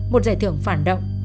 một giải thưởng phản động